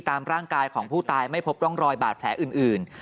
ตามร่างกายของผู้ตายไม่พบร่องรอยบาดแผลอื่น